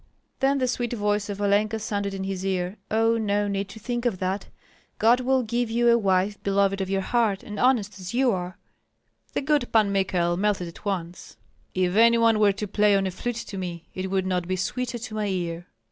Then the sweet voice of Olenka sounded in his ear: "Oh, no need to think of that! God will give you a wife beloved of your heart, and honest as you are." The good Pan Michael melted at once: "If any one were to play on a flute to me, it would not be sweeter to my ear."